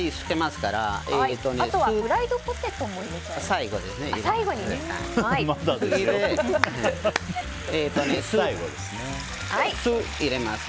あとはフライドポテトも入れます。